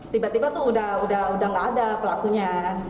tiba tiba tuh udah gak ada pelakunya